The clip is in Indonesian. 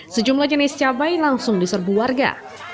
sejumlah jenis cabai langsung diserbu warga